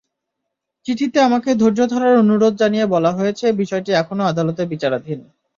চিঠিতে আমাকে ধৈর্য ধরার অনুরোধ জানিয়ে বলা হয়েছে, বিষয়টি এখনো আদালতে বিচারাধীন।